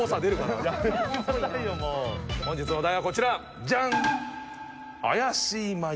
本日のお題はこちらジャン！